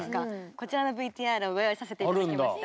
こちらのＶＴＲをご用意させて頂きました。